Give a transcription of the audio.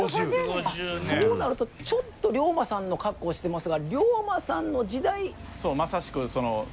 そうなるとちょっと龍馬さんの格好をしてますが龍馬さんの時代？